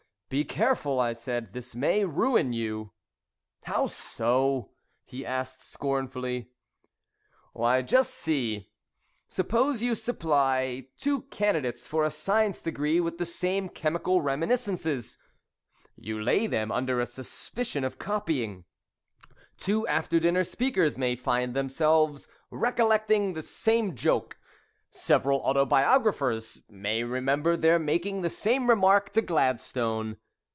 "Be careful!" I said. "This may ruin you." "How so?" he asked scornfully. "Why, just see suppose you supply two candidates for a science degree with the same chemical reminiscences, you lay them under a suspicion of copying; two after dinner speakers may find themselves recollecting the same joke; several autobiographers may remember their making the same remark to Gladstone.